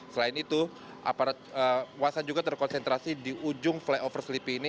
selain itu aparat wasan juga terkonsentrasi di ujung flyover sleepy ini